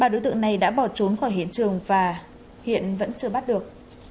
ba đối tượng này đã bỏ trốn khỏi hiện trường và hiện vẫn chưa bắt được